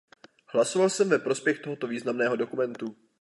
Hlasoval jsem ve prospěch tohoto významného dokumentu.